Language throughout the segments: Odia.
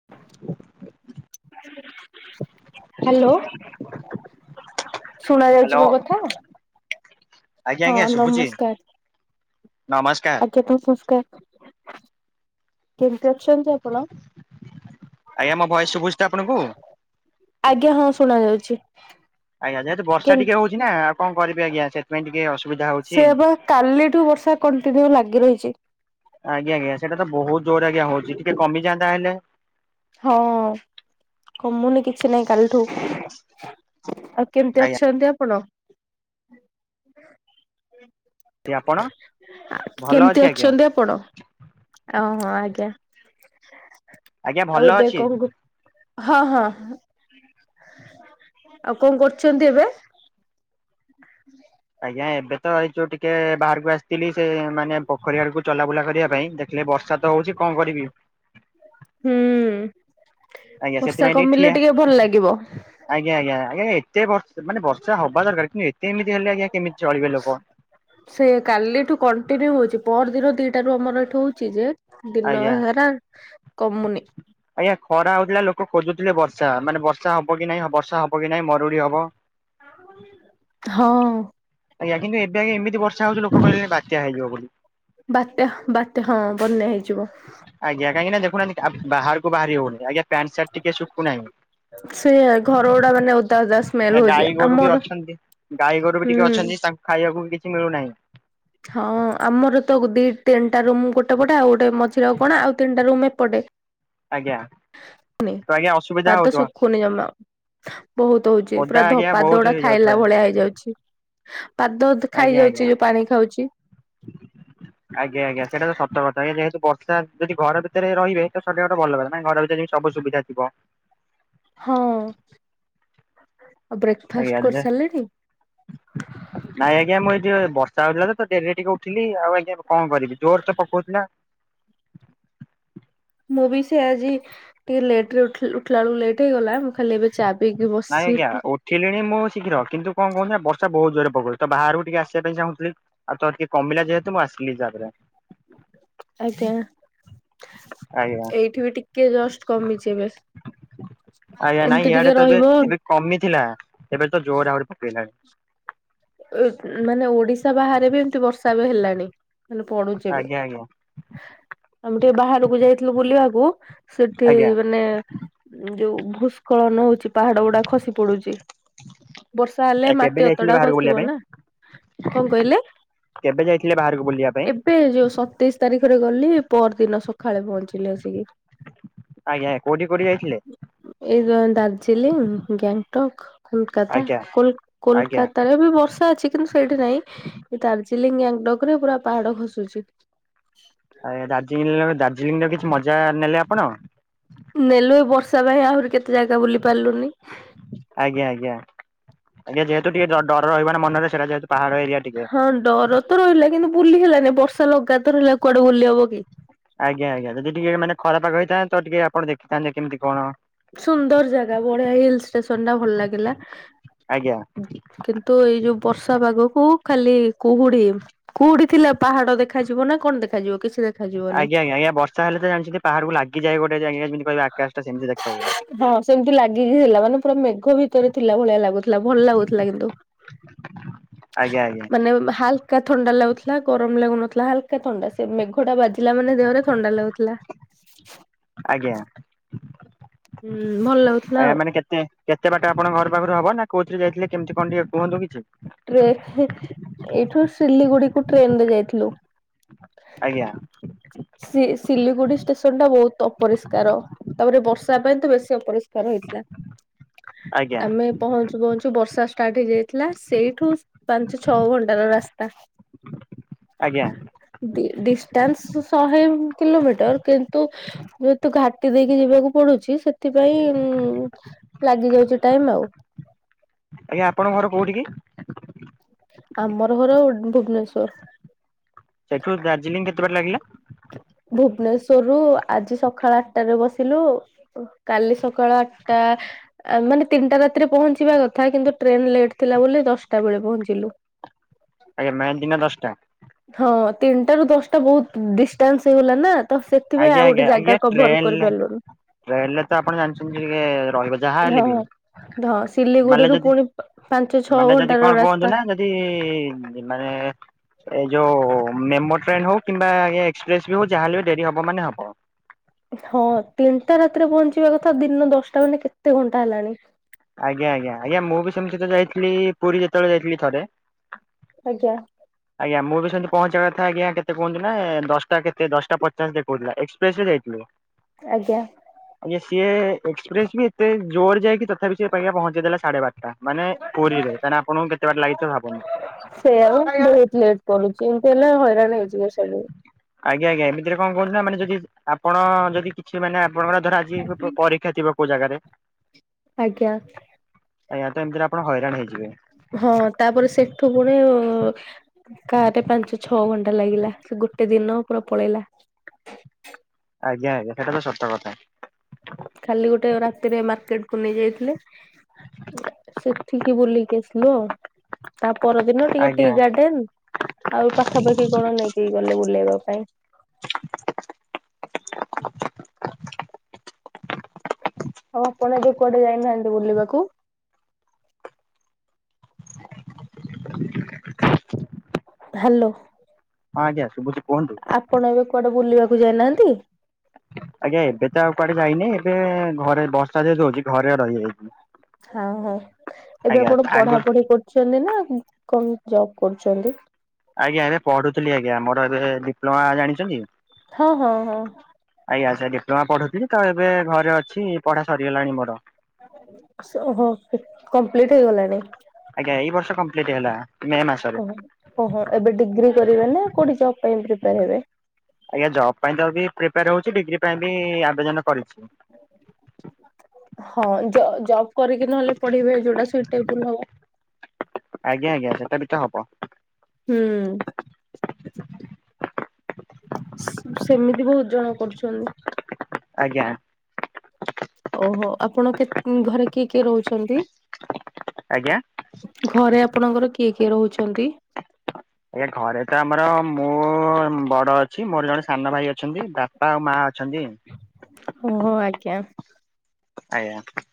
[inaudible] ହ୍ୟାଲୋ। ଶୁଣା ହ୍ୟାଲୋ ଯାଉଛି ମୋ କଥା। ଆଜ୍ଞା ହଁ ଆଜ୍ଞା ଶୁଭୁଛି। ନମସ୍କାର ନମସ୍କାର। କେତେ ସଂସ୍କାର? କେମିତି ଅଛନ୍ତି ଆପଣ? ଆଜ୍ଞା ମୋ ଭଏସ ଶୁଭୁଛି ତ ଆପଣଙ୍କୁ? ଆଜ୍ଞା, ହଁ ଶୁଣା ଯାଉଛି। ଆଜ୍ଞା। ଯେ ହେତୁ ବର୍ଷା କେମ ଟିକ ହଉଛି ନା ଆଉ କରିଵି ଆଜ୍ଞା ସେଥିପାଇଁ ଟିକେ ଅସୁବିଧା ହଉ ସେଇଆ ବା କାଲିଠୁ ବର୍ଷା କଣ୍ଟିନ୍ୟୁ ଲାଗି ରହିଛି। ଆଜ୍ଞା ଆଜ୍ଞା। ସେଟା ତ ବହୁତ ଜୋର ଆଜ୍ଞା ହଉଛି ଟିକେ କମିଯାନ୍ତା ହେଲେ। ହଁ, କମୁନି କିଛି ନାଇଁ କାଲିଠୁ। ଆଉ କେମିତି ଆଜ୍ଞା ଅଛନ୍ତି ଆପଣ? ଆପଣ? ଭଲ ଅଛି କେମିତି ଆଜ୍ଞା ଅଛନ୍ତି ଆପଣ? ଓହୋ ଆଜ୍ଞା। ଆଜ୍ଞା ଭଲ ଆଉ ଏବେ ଅଛି। କଣ ହଁ ହଁ। ହଁ ଆଉ କଣ କରୁଛନ୍ତି ଏବେ? [inaudible] ଆଜ୍ଞା ଏବେ ତ ଏଇ ଯୋଉ ଟିକେ ବାହାରକୁ ଆସିଥିଲି ସେ ମାନେ ପୋଖରୀ ଆଡକୁ ଚଲାବୁଲା କରିବା ପାଇଁ। ହେଲେ ବର୍ଷା ତ ହଉଛି କଣ କରିବି? ହୁଁ ଆଜ୍ଞା ବର୍ଷା ସେଥିପାଇଁ ଠିଆ କମିଲେ ଟିକେ ଭଲ ଲାଗିବ। ଆଜ୍ଞା ଆଜ୍ଞା ଆଜ୍ଞା ଏତେ ବର୍ଷ ମାନେ ବର୍ଷା ହବା ଦରକାର କିନ୍ତୁ ଏତେ ଏମିତି ହେଲେ ଆଜ୍ଞା କେମିତି ଚଳିବେ ଲୋକ? ସେ କାଲିଠୁ କଣ୍ଟିନ୍ୟୁ ହଉଛି ପର ଦିନ ଦିଇଟାରୁ ଆମର ଏଠୁ ହଉଛି ଯେ ଦିନ ଆଜ୍ଞା ହାର କମୁନି। ଆଜ୍ଞା ଖରା ହଉଥିଲା ଲୋକ ଖୋଜୁଥିଲେ ବର୍ଷା ମାନେ ବର୍ଷା ହବ କି ନାଇଁ ବର୍ଷା ହବ କି ନାଇଁ ମରୁଡି ହବ। ହଁ। ଆଜ୍ଞା କିନ୍ତ ଏବେ ଆ ଏମତି ବର୍ଷା ହଉଛି ଲୋକ କହେ ବାତ୍ୟା ହେଇଯିବ ବୋଲି। ବାତ୍ୟା ବାତ୍ୟା ହଁ ବନ୍ୟା ହେଇଯିବ। ଆଜ୍ଞା କାହିଁକି ନା ଦେଖୁନାହାନ୍ତି ବାହାରକୁ ବାହାରି ହଉନି ଆଜ୍ଞା। ପ୍ୟଣ୍ଟ ଶାର୍ଟ ଟଟିିକ ଶୁଖୁ ସେ ଘର ନାହିଁ। ଗୁଡା ମାନେ ଓଦା ଓଦା ସ୍କେଲ ଗାଈ ଗୋରୁ ବି ଅଛନ୍ତି ଗାଈ ଗୋରୁ ବି ହୁଁ ଟିକେ ଅଛନ୍ତି ତାଙ୍କୁ ଖାଇବାକୁ କିଛି ମିଳୁନାହିଁ। ହଁ ଆମର ତ ଦି ତିନିଟା ରୁମ୍ ଗୋଟେ ପଟେ ଆଉ ଗୋଟେ ମଝିରେ ଆଉ କଣ ଆଉ ତିନିଟା ରୁମ୍ ଏପଟେ। ଆଜ୍ଞା। ଶୁଖୁନି ତ ଆଜ୍ଞା ଅସୁବିଧା ପାଦ ହଉଥିବ ଶୁଖୁନି ଯମା। ବହୁତ ହଉଛି ଓଦା ପୁରା ଧ ଆଜ୍ଞା ପାଦ ବହୁତ ଗୁଡା ହେଇଯାଉଥିବା। ଖାଇଲା ଭଳିଆ ହେଇଯାଉଛି। ପାଦ ଆଜ୍ଞା ଆଜ୍ଞା ଖାଇଯାଉଛି ଯୋଉ ପାଣି ଖାଉଛି। ଆଜ୍ଞା ଆଜ୍ଞା ସେଇଟା ତ ସତ କଥା ହେଇ ଯେହେତୁ ବର୍ଷା ଯଦି ଘର ଭିତରେ ରହିବେ ତ ସେଟା ଗୋଟେ ଭଲ ହେ ନାଇଁ ଘର ଭିତରେ ବି ସବୁ ସୁବିଧା ଥିବ। ହଁ ଆଉ ବ୍ରେକ୍ଫାଷ୍ଟ ଆଜ୍ଞା କରିସାରିଲେଣି? ନାଇଁ ଆଜ୍ଞା ମୁଁ ଏ ଟିକି ବର୍ଷା ହଉଥିଲା ତ ଡେରିରେ ଟିକେ ଉଠିଲି ଆଉ ଆଜ୍ଞା କଣ କରିବି ଜୋର ତ ପକଉଛି ନା ମୁଁ ବି ସେୟଆଜି ଟିକେ ଲେଟରେ ଉଠିଲା ବେଳକୁ ଟିକେ ଲେଟ୍ ହେଇଗଲା ମୁଁ ଖାଲି ଏବେ ଚା ପିଇକି ବ ନାଇଁ ଆଜ୍ଞା ଓ ଥିଲିଣି ମୁଁ ଶୀଘ୍ର କିନ୍ତୁ କଣ କହୁନ ନା ବର୍ଷା ବହୁତ ଜୋରରେ ପକଡ଼ଛି ତ ବାହାରୁକୁ ଟିକେ ଆସିବା ପାଇଁ ଚାହୁଁଥିଲି। ଆଉ ତ ଟିକେ କମିଲା ଯେହେତୁ ମୁଁ ଆସିଲି ତାପରେ। ଆଜ୍ଞା ଆଜ୍ଞା ଏଇଠି ବି ଟିକେ ଜଷ୍ଟ କମିଛି ଏବେ। ଆଜ୍ଞା ନାଇଁ ଏମିତି ଇଆଡେ ଟିକେ ତ ଏବେ ରହିବ। ଏବେ କମିଥିଲା ଏବେ ତ ଜୋରେ ଆହୁରି ପକେଇଲାଣି। ଉଁ ମାନେ ଓଡିଶା ବାହାରେ ବି ଏମତି ବର୍ଷା ଏବେ ହେଲାଣି। ମାନେ ପଡୁଛି ଏବେ ଆଜ୍ଞା ଆଜ୍ଞା ଆମେ ଟିକେ ବାହାରୁକୁ ଯାଇଥିଲୁ ବୁଲିବାକୁ ସେଠି ଆଜ୍ଞା ମାନେ ଯୋଉ ଭୁସ୍ ଉଖଳନ ହଉଛି ପାହାଡ ଗୁଡା ଖସି ପଡୁଛି ବର୍ଷା ହେଲେ ଆ କେବେ ମାଟି ଯାଇଥିଲେ ଅତଟା ବାହାରକୁ କେବେ ଯାଇଥିଲେ ବାହାରକୁ ବୁଲିବା ପାଇଁ? ଏବେ ଯୋଉ ସତେଇଶ ତାରିଖରେ ଗଲି ପର ଦିନ ସକାଳେ ପହଞ୍ଚିଲି ଆସିକି। ଆଜ୍ଞା କୋଉଠି କୋଉଠି ଯାଇଥିଲେ? ଏଇ ଦାର୍ଜିଲିଂ ଗ୍ୟାଙ୍ଗଟକ କୋଲକାତା ଆଜ୍ଞା ଆଜ୍ଞା। କୋଲକାତା। ବି ବର୍ଷା ଅଛି କିନ୍ତୁ ସେଇଠି ନହିଁ ଦାର୍ଜିଲିଂ ୟାଙ୍ଗଡକ ରେ ପୁରା ପାହାଡ ଖସୁଛି। ଆଜ୍ଞା ଦାର୍ଜିଲିଂ ଦାର୍ଜିଲି ରେ କିଛି ମଜା ନେଲେ ଆପଣ? ନେଲୁ ଏ ବର୍ଷା ପାଇଁ ଆହୁରି କେତେ ଜାଗା ବୁଲି ପାରିଲୁନି। ଆଜ୍ଞା ଆଜ୍ଞା। ଟିକେ ଯେହେତୁ ଟିକେ ଡର ରହିବ ମନରେ ସେଟା ଯେହେତୁ ପାହାଡ଼ ଏରିଆ ଟିକେ। ହଁ ଡର ତ ରହିଲା କିନ୍ତୁ ବୁଲି ହେଲାନି ବର୍ଷା ଲଗାତର ହେଲା କୁଆଡେ ବୁଲି ହବ କି। ଆଜ୍ଞା ଆଜ୍ଞା। ଯଦି ଟିକେ ମାନେ ଖରା ପାଗ ହେଇଥାନ୍ତା, ତ ଟିକେ ଆପଣ ଦେଖିଥାନ୍ତେ କେମିତି କଣ। ସୁନ୍ଦର ଜାଗା ବଢିଆ ହିଲ୍ ଷ୍ଟେସନ ଟା ଭଲ ଲାଗିଲା। ଆଜ୍ଞା କିନ୍ତୁ ଏଇ ଯୋଉ ବର୍ଷା ପାଗକୁ ଖାଲି କୁହୁଡି। କୁହୁଡ଼ି ଥିଲା ପାହାଡ ଦେଖାଯିବ ନା କଣ ଦେଖାଯିବ କିଛି ଦେଖ ଆଜ୍ଞା ଆଜ୍ଞା। ଆଜ୍ଞା ବର୍ଷା ହେଲେ ତ ଜାଣିଛନ୍ତି ପାହାଡ଼ କୁ ଲାଗିଯାଏ ଗୋଟେ ଯେମିତି କହିବେ ଆକାଶ ସେମିତି ଦେଖ ହଁ ସେମିତି ଲାଗିକି ଥିଲା। ମାନେ ପୁରା ମେଘ ଭିତରେ ଥିଲା ଭଳିଆ ଲାଗୁଥିଲା ଭଲ ଲାଗୁଥିଲା କିନ୍ତୁ। [inaudible] ଆଜ୍ଞା ଆଜ୍ଞା ମାନେ। [unintelligible] ହାଲ୍କା ଥଣ୍ଡା ଲାଗୁଥିଲା ଗରମ ଲାଗୁନଥିଲା। ହାଲକା ଥଣ୍ଡା, ମେଘ ଟା ବାଜିଲା ମାନେ ଦେହରେ ଥଣ୍ଡା ଲାଗୁଥିଲା। ଆଜ୍ଞା। ହୁଁ ଭଲ ଲାଗୁଥିଲା ଆଜ୍ଞା ଆଉ। ମାନେ କେତେ ବାଟ ଆପଣଙ୍କ ଘର ପାଖରୁ ହବ ନା କୋଉଥିରେ ଯାଇଥିଲେ କେମିତି କଣ ଟିକଏ କୁହନ୍ତୁ କିଛି। ଟ୍ରେ ହେ ଏଇଠୁ ସିଲିଗୁଡିକୁୁ ଟ୍ରେନ ରେ ଯାଇଥିଲୁ। ଆଜ୍ଞା। ସି ଶିଲିଗୁଡି ଷ୍ଟେସନ ଟା ବହୁତ ଅପରିଷ୍କାର। ତାପରେ ବର୍ଷା ପାଇଁ ତ ବେଶୀ ଅପରି [unintelligible] ହେଇଥିଲା। ଆଜ୍ଞା ଆମେ ପହଞ୍ଚୁ ପହଞ୍ଚୁ ବର୍ଷା ଷ୍ଟାର୍ଟ ହେଇଯାଇଥିଲା। ସେଇଠୁ ପାଞ୍ଚ ଛ ଘଣ୍ଟାର ରାସ୍ତା। ଆଜ୍ଞା। ଡ଼ି ଡିଷ୍ଟାନ୍ସ ଶହେ କିଲୋମିଟର। କିନ୍ତୁ ଯେହେତୁ ଘାଟି ଦେଇକି ଯିବାକୁ ପଡୁଚି, ସେଥିପାଇଁ ଲାଗିଯାଉଛି ଟାଇମ ଆଉ। ଆଜ୍ଞା ଆପଣଙ୍କ ଘର କୋଉଠି କି? ଆମର ଘର ଭୁବନେଶ୍ଵର। ସେଠୁ ଦାର୍ଜିଲିଂ କେତେ ବାଟ ଲାଗିଲା? ଭୁବନେଶ୍ଵରରୁୁ ଆଜି ସକାଳ ଆଠଟାରେ ବସିଲୁ କାଲି ସକାଳ ଆଠଟା ମାନେ ତିନିଟା ରାତିରେ ପହଞ୍ଚିବା କଥା କିନ୍ତୁ ଟ୍ରେନ ଲେଟ୍ ଥିଲା ବୋଲି ଦଶଟା ବେଳେ ପହଞ୍ଚିଲୁ। ଆଜ୍ଞା ମାନେ ଦିନ ଦଶଟା। ହଁ ତିନିଟା ରୁ ଦଶଟା ବହୁତ ଡିଷ୍ଟାନ୍ସ ହେଇଗଲା ନା। ତ ସେଥିପାଇଁ ଆଉ ଗୋଟେ ଜାଗା କଭର କରିପାରିଲୁନି। ଟ୍ରେନ ରେ ତ ଆପଣ ଜାଣିଛନ୍ତି ଟିକେ ରହିବ ଯାହା ହେଲେ ହଁ ବି। ହଁ ମାନେ ସିଲିଗୁଡିରୁୁ ଯଦି ପୁଣି ପ ପାଞ୍ଚ ଛଅ ମାନେ ଯଦି ଘଣ୍ଟା କଣ ର ରା କୁହନ୍ତୁ ନା ଯଦି ମାନେ ଏଇ ଯୋଉ ମେମୋ ଟ୍ରେନ ହଉ କିମ୍ବା ଏକ୍ସପ୍ରେସ ବି ହଉ ଯାହାହେଲେ ବି ଡେରି ହବ ମାନେ ହବ। ହଁ ତିନିଟା ରାତିରେ ପହଞ୍ଚିବା କଥା ଦିନ ଦଶଟା ମାନେ କେତେ ଘଣ୍ଟା ହେଲାଣି। ଆଜ୍ଞା ଆଜ୍ଞା। ଆଜ୍ଞା ମୁଁ ବି ସେମତି ତ ଯାଇଥିଲି ପୁରୀ ଯେତେବେଳେ ଯାଇଥିଲି ଥରେ। ଆଜ୍ଞା। ଆଜ୍ଞା ମୁଁ ବି ସେମିତି ପହଞ୍ଚିବା କଥା ଆଜ୍ଞା କେତେ କୁହନ୍ତୁ ନା ଦଶଟା କେତେ ଦଶଟା ପଚାଶ ଦେଖଉଥିଲା। ଏକ୍ସପ୍ରେସ ରେ ଯାଇଥିଲୁ। [inaudible] ଆଜ୍ଞା। ଆଜ୍ଞା ସିଏ ଏକ୍ସପ୍ରେସ ବି ଏତେ ଜୋର ଯାଇକି ତଥାପି ସିଏ ଆଜ୍ଞା ପହଞ୍ଚି ଦେଲା ସାଢେ ବାରଟା ମାନେ ପୁରୀରେ। ତାହାଲେ ଆପଣଙ୍କୁ କେତେ ବାଟ ଲାଗିଥିବ ଭାବନ୍ତୁ। ସେଇଆ ଆଉ ବହୁତ ଲେଟ କରୁଚି। ଏମିତି ହେଲେ ହଇରାଣ ହେଇଯିବେ ସବୁ। ଆଜ୍ଞା ଆଜ୍ଞା। ଏମିତିରେ କଣ କହୁଚୁ ନା ମାନେ ଯଦି ଆପଣ ଯଦି କିଛି ମାନେ ଆପଣଙ୍କର ଧର ଆଜି ପ ପରୀକ୍ଷା ଥିବ କୋଉ ଜାଗାରେ ଆଜ୍ଞା। ଆଜ୍ଞା। ତ ଏମତିରେ ଆପଣ ହଇରାଣ ହେଇଯିବେ। ହଁ ତାପରେ ସେଠୁ ପୁଣି କାରରେ ପାଞ୍ଚ ଛଅ ଘଣ୍ଟା ଲାଗିଲା ସେ ଗୋଟେ ଦିନ ପୁରା ପଳେଇଲା। ଆଜ୍ଞା ଆଜ୍ଞା ସେଟା ତ ସତ କଥା। ଖାଲି ଗୋଟେ ରାତିରେ ମାର୍କେଟ କୁ ନେଇ ଯାଇଥିଲେ। ସେଠିକି ବୁଲିକି ଆସିଲୁ ଆଉ ତା ପରଦିନ ଟିକେ ଟି ଆଜ୍ଞା ଗାର୍ଡେନ ଆଉ ପାଖାପାଖି କଣ ନେଇକି ଗଲେ ବୁଲେଇବା ପାଇଁ। ଆଉ ଆପଣ ଏବେ କୁଆଡ଼େ ଯାଇନାହାନ୍ତି ବୁଲିବାକୁ? [inaudible] ହ୍ୟାଲୋ। ହଁ ଆଜ୍ଞା ଶୁଭୁଚି କୁହନ୍ତୁ। ଆପଣ ଏବେ କୁଆଡ଼େ ବୁଲିବାକୁ ଯାଇନାହାନ୍ତି। ଆଜ୍ଞା ଏବେ ତ ଆଉ କୁଆଡ଼େ ଯାଇନି ଏବେ ଘରେ ବର୍ଷା ଯେହେତୁ ହଉଚି ଘରେ ରହି ଯାଇଛି। ହଁ ହଁ ଏବେ ଆପଣ ଆଗ ପଢ଼ାପୁଢ଼ି କରୁଛନ୍ତି ନା କଣ ଜବ୍ କରୁଚନ୍ତି? ଆଜ୍ଞା ଏବେ ପଢୁଥିଲି ଆଜ୍ଞା ମୋର ଏବେ ଡିପ୍ଲୋମା ଜାଣିଚନ୍ତି? ହଁ ହଁ ହଁ। ଆଜ୍ଞା ସେ ଡିପ୍ଲୋମା ପଢୁଥିଲି ତ ଏବେ ଘରେ ଅଛି ପଢ଼ା ସରିଗଲାଣି ମୋର। ସୋ ହୋ କମ୍ପ୍ଲିଟ୍ ହେଇଗଲାଣି। ଆଜ୍ଞା ଏଇ ବର୍ଷ କମ୍ପ୍ଲିଟ ହେଲା। ମେ ମାସରେ। ଓ ଓହୋ ଏବେ ଡିଗ୍ରୀ କରିବେ ନା କୋଉଠି ଜବ୍ ପାଇଁ ପ୍ରିପେୟାର ହେବେ। ଆଜ୍ଞା ଜବ୍ ପାଇଁ ତ ବି ପ୍ରିପେୟାର ହଉଚି ଡିଗ୍ରୀ ପାଇଁ ବି ଆବେଦନ କରିଛି। ହଁ ଜ ଜବ୍ କରିକି ନହେଲେ ପଢ଼ିବେ ଯୋଉଟା ସୁଇ ଟେବୁଲ ହବ। ଆଜ୍ଞା ଆଜ୍ଞା ସେଟା ବି ତ ହବ। ହୁଁ। ସେମିତି ବହୁତ ଜଣ କରୁଛନ୍ତି। ଆଜ୍ଞା। ଓହୋ ଆପଣ କେ ଘରେ କିଏ କିଏ ରହୁଛନ୍ତି? ଆଜ୍ଞା ଘରେ ଆପଣଙ୍କର କିଏ କିଏ ରହୁଛନ୍ତି? ଆଜ୍ଞା ଘରେ ତ ଆମର ମୁଁ ବଡ଼ ଅଛି ମୋର ଜଣେ ସାନ ଭାଇ ଅଛନ୍ତି ବାପା ଆଉ ମା ଅଛନ୍ତି। ଓହୋ ଆଜ୍ଞା। ଆଜ୍ଞା।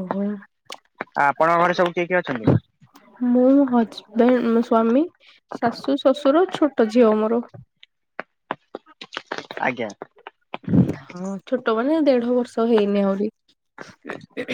ଓହୋ। ଆଉ ଆପଣଙ୍କ ଘରେ ସବୁ କିଏ କିଏ ଅଛନ୍ତି? ମୁଁ ହଜବେଣ୍ଡ ମୋ ସ୍ଵାମୀ ଶାଶୁ ଶ୍ୱଶୁର ଛୋଟ ଝିଅ ମୋର। ଆଜ୍ଞା। ହଁ ଛୋଟ ମାନେ ଦେଢ଼ ବର୍ଷ ହେଇନି ଆହୁରି।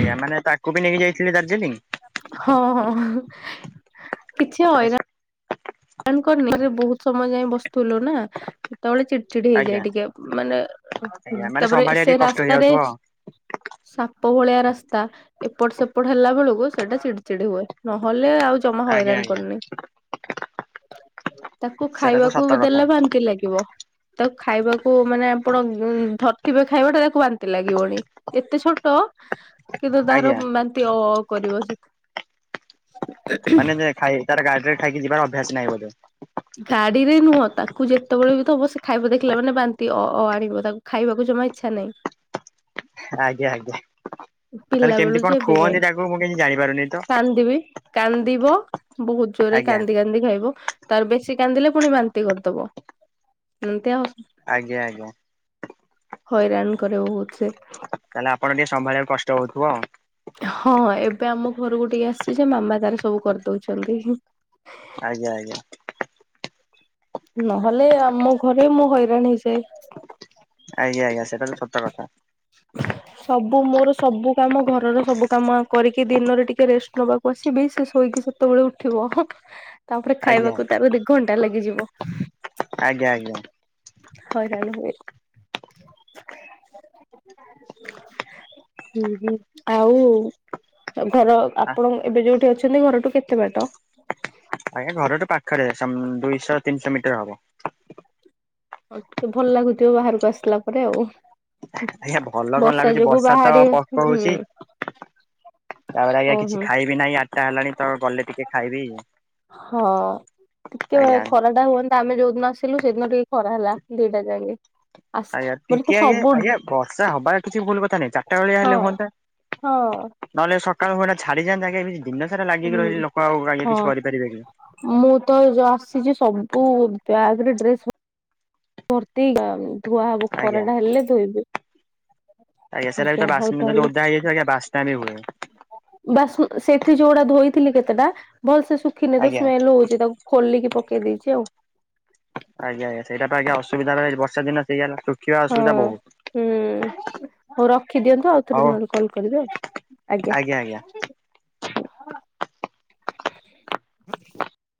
ଆଜ୍ଞା ମାନେ ତାକୁ ବି ନେଇକି ଯାଇଥିଲି ଦାର୍ଜିଲିଂ। ହଁ ହଁ କିଛି ହଇରା ଣ କରିନି ଘରେ ବହୁତ ସମୟ ଯାଏ ବସୁଠୁଲୁ ନା। ସେତେବେଳେ ଚିଡ଼ି ଚିଡ଼ି ଆଜ୍ଞା ହେଇଯାଏ ଟିକେ ମାନେ ଆଜ୍ଞା ମାନେ ତାପରେ ସମ୍ଭାଳିବା ସେ ଟିକେ କଷ୍ଟ ରାସ୍ତାରେ ହେଇଯାଉଥିବ [inaudible] ସାପ ଭଳିଆ ରାସ୍ତା ଏପଟ ସେପଟ ହେଲା ବେଳକୁ ସେଟା ଚିଡ଼ି ଚିଡ଼ି ହୁଏ ନହେଲେ ଆଉ ଜମା ଆଜ୍ଞା ହଇରାଣ ଆଜ୍ଞା କରୁନି। ତାକୁ ସେଇଟା ତ ଖାଇବାକୁ ସତ କଥା ଦେଲେ ବାନ୍ତି ଲାଗିବ। ତାକୁ ଖାଇବାକୁ ମାନେ ଆପଣ ଧରିଥିବେ ଖାଇବାଟା ତାକୁ ବାନ୍ତି ଲାଗିବଣି। ଏତେ ଛୋଟ କିନ୍ତୁ ତାର ଆଜ୍ଞା ବାନ୍ତି ଅ, ଅ, କରିବ ସେ। [inaudible] ମାନେ ଖାଇ ତାର ଗାଡ଼ିରେ ଖାଇକି ଯିବାର ଅଭ୍ୟାସ ନାହିଁ ବୋଧେ। ଗାଡ଼ିରେ ନୁହଁ ତାକୁ ଯେତେବେଳେ ବି ତ ହବ ସେ ଖାଇବ ଦେଖିଲା ମାନେ ବାନ୍ତି ଅ, ଅ, ଆଣିବ ତାକୁ ଖାଇବାକୁ ଜମା ଇଚ୍ଛା ନାହିଁ। ଆଜ୍ଞା ଆଜ୍ଞା ପିଲା ତାହେଲେ ବେଳୁ କେମିତି ଯେ କଣ ଏବେ ଯାଏ। ଖୁଅନ୍ତି ତାକୁ ମୁଁ କିଛି ଜାଣିପାରୁନି ତ? କାନ୍ଦିବି କାନ୍ଦିବ ବହୁତ ଜୋରେ ଆଜ୍ଞା କାନ୍ଦି କାନ୍ଦି ଖାଇବ ତାର ବେଶୀ କାନ୍ଦିଲେ ପୁଣି ବାନ୍ତି କରିଦବ ଏମିତି ଆଉ। ଆଜ୍ଞା ଆଜ୍ଞା। ହଇରାଣ କରେ ବହୁତ ସେ। ତାହେଲେ ଆପଣ ଟିକେ ସମ୍ଭାଳିବାକୁ କଷ୍ଟ ହଉଥିବ ଆଉ। ହଁ ଏବେ ଆମ ଘରକୁ ଟିକେ ଆସିଛି ଯେ ମାମା ତାର ସବୁ କରିଦଉଛନ୍ତି। ଆଜ୍ଞା ଆଜ୍ଞା। ନହେଲେ ଆମ ଘରେ ମୁଁ ହଇରାଣ ହେଇଯାଏ। ଆଜ୍ଞା ଆଜ୍ଞା ସେଟା ତ ସତ କଥା। ସବୁ ମୋର ସବୁ କାମ ଘରର ସବୁ କାମ କରିକି ଦିନରେ ଟିକେ ରେଷ୍ଟ ନବାକୁ। ପଶିବି ସେ ଶୋଇକି ସେତେବେଳେ ଉଠିବ। [inaudible] ତାପରେ ଆଜ୍ଞା ଖାଇବାକୁ ତାର ଦି ଘଣ୍ଟା ଲାଗିଯିବ। ଆଜ୍ଞା ଆଜ୍ଞା। ହଇରାଣ ହୁଏ। [inaudible] ହୁଁ ହୁଁ ଆଉ ଆ ଘର ଆପଣ ଏବେ ଯୋଉଠି ଅଛନ୍ତି ଘରଠୁ କେତେ ବାଟ? ଆଜ୍ଞା ଘର ତୁ ପାଖରେ ଦୁଇଶହ ତିନିଶହ ମିଟର ହବ। ହଉ ଟିକେ ଭଲ ଲାଗୁଥିବ ବାହାରକୁ ଆସିଲା ପରେ ଆଉ ଆଜ୍ଞା ଭଲ କଣ ଲାଗୁଛି ଯୋଗୁ ବର୍ଷା ତ ବାହାରି ହୁଁ ପକଉଛି। ତାପରେ ଆଜ୍ଞା କିଛି ଓହୋ ଖାଇବି ନାହିଁ ଆଠଟା ହେଲାଣି ତ ଗଲେ ଟିକେ ଖାଇବି। ହଁ ଟିକେ ଆଜ୍ଞା। ଖରା ଟା ହୁଅ ତ ଆମେ ଯୋଉଦିନ ଆସିଲୁ ସେଦିନ ଟିକେ ଖରା ହେଲା ଦିଟା ଯାଇକେ। ଆଜ୍ଞା ଟିକେ ଆଜ୍ଞା ଆଜ୍ଞା ବର୍ଷା ହବାର କିଛି ଭୁଲ କଥା ନାଇଁ ଚାରିଟା ବେଳିଆ ହଁ ହେଲେ ହୁଅନ୍ତା। ହଁ ନହେଲେ ସକାଳୁଟା ଛାଡିନ୍ତ ଆଜ୍ଞା କି ଦିନ ସାରା ଲାଗିକି ହୁଁ ରହିଲେ ଲୋକ ଆଉ ଆଗ ହଁ କିଛି କରିପାରିବେ ନି। ମୁଁ ତ ଯୋଉ ଆସିଛି ସବୁ ବ୍ୟାଗ ରେ ଡ୍ରେସ ଭର୍ତ୍ତି ଧୁଆ ହବ ଖରା ଆଜ୍ଞା ଟା ହେଲେ ଧୋଇବୁ। ଆଜ୍ଞା ସାର ତ ବା ଯଦି ତାହେଲେ ଓଦା ହେଇଯାଇଥିବ ବାସ୍ନା ବି ହୁଏ। ବାସ୍ ସେଠି ଯୋଉଟା ଧୋଇଥିଲି କେତେଟା ଭଲ ସେ ଶୁଖିନି ତ ଆଜ୍ଞା ସ୍ମେଲ ହଉଛି ତାକୁ ଖୋଲିକି ପକେଇ ଦେଇଛି ଆଉ। ଆଜ୍ଞା ଆଜ୍ଞା ସେଇଟା ଆଜ୍ଞା ଅସୁବଧା ବର୍ଷା ଦିନ ସେଇଟା ହଁ ହୁଁ ହଉ ରଖିଦିଅନ୍ତୁ ଆଉଥରେ ହଉ ନହରେ କଲ କରିବି ଆଉ। ଆଜ୍ଞା ଆଜ୍ଞା। ଆଜ୍ଞା। [unintelligible]